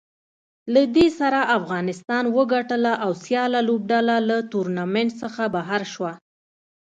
له دې سره افغانستان وګټله او سیاله لوبډله له ټورنمنټ څخه بهر شوه